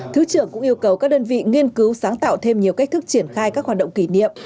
thứ trưởng cũng yêu cầu các đơn vị nghiên cứu sáng tạo thêm nhiều cách thức triển khai các hoạt động kỷ niệm